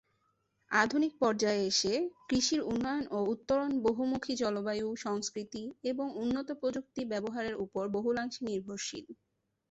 আধুনিক পর্যায়ে এসে কৃষির উন্নয়ন ও উত্তরণ বহুমূখী জলবায়ু, সংস্কৃতি এবং উন্নত প্রযুক্তি ব্যবহারের উপর বহুলাংশে নির্ভরশীল।